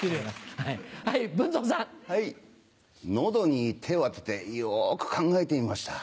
喉に手を当ててよく考えてみました。